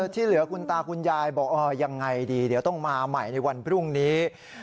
ที่เหลือคุณตาคุณยายบอกยังไงดีเดี๋ยวต้องมาใหม่ในวันพรุ่งนี้